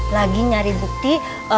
lagi nyari bukti